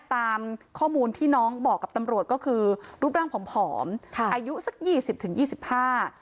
ตามข้อมูลที่น้องบอกกับตำรวจก็คือรูปร่างผอมอายุสัก๒๐๒๕